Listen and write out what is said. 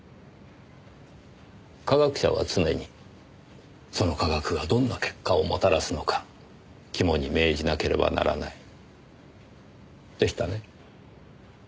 科学者は常にその科学がどんな結果をもたらすのか肝に銘じなければならないでしたね？